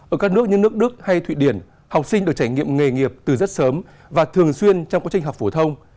ở các nước như nước đức hay thụy điển học sinh được trải nghiệm nghề nghiệp từ rất sớm và thường xuyên trong quá trình học phổ thông